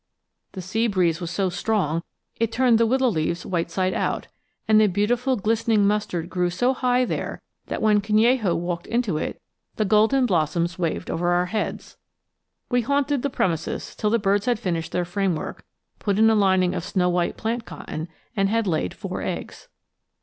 The sea breeze was so strong it turned the willow leaves white side out, and the beautiful glistening mustard grew so high there that when Canello walked into it, the golden blossoms waved over our heads. We haunted the premises till the birds had finished their framework, put in a lining of snow white plant cotton, and had laid four eggs.